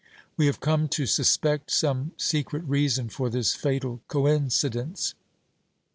We have come to suspect some secret reason for this fatal coincidence.